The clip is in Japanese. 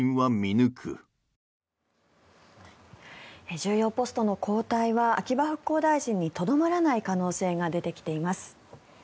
重要ポストの交代は秋葉復興大臣にとどまらない可能性が出てきています。